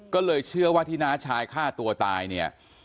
ก็เลยเชื่อว่าที่น้าชายฆ่าตัวตายเนี่ย